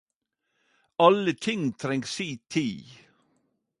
Alle ting treng si tid